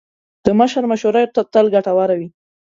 د مشر مشوره تل ګټوره وي.